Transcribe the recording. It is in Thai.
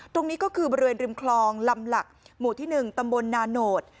ตรงนี้ก็คือบริเวณริมคลองลำหลักหมู่ที่๑ตำบลนาโนธ